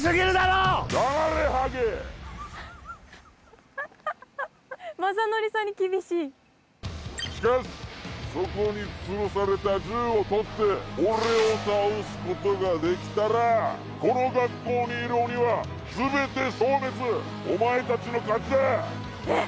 ハハハハ雅紀さんに厳しいしかしそこにつるされた銃をとって俺を倒すことができたらこの学校にいる鬼は全て消滅お前たちの勝ちだえっ？